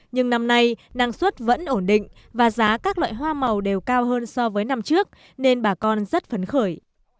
nhưng năm nay năng suất vẫn ổn định và giá các loại hoa màu đều cao hơn so với năm trước nên bà con rất phấn khởi